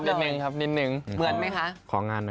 บอสมัยยังยืนงงอยู่นะ